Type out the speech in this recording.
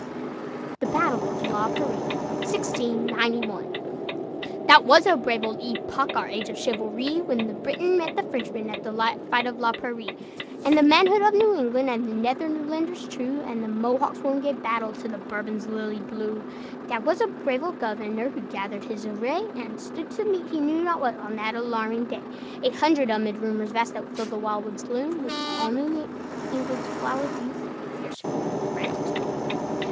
THE BATTLE OF LA PRAIRIE That was a brave old epoch, Our age of chivalry, When the Briton met the Frenchman At the fight of La Prairie; And the manhood of New England, And the Netherlanders true And Mohawks sworn, gave battle To the Bourbon's lilied blue. That was a brave old governor Who gathered his array, And stood to meet, he knew not what, On that alarming day. Eight hundred, amid rumors vast That filled the wild wood's gloom, With all New England's flower of youth, Fierce for New France's doom.